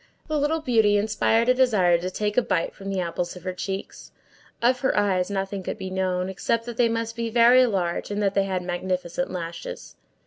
The little beauty inspired a desire to take a bite from the apples of her cheeks. Of her eyes nothing could be known, except that they must be very large, and that they had magnificent lashes.